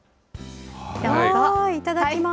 いただきます。